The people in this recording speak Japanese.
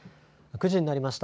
９時になりました。